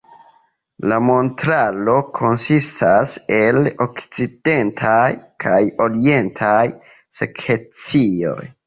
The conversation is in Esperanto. La montaro konsistas el okcidentaj kaj orientaj sekcioj.